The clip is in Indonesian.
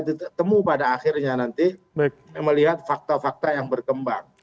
kita bisa mencari temuan pada akhirnya nanti melihat fakta fakta yang berkembang